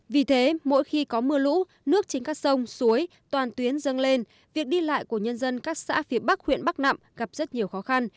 vì thế mỗi khi có mưa lũ nước trên các sông suối toàn tuyến dâng lên việc đi lại của nhân dân các xã phía bắc huyện bắc nạm gặp rất nhiều khó khăn